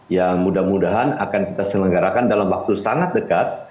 yang mudah mudahan akan kita selenggarakan dalam waktu sangat dekat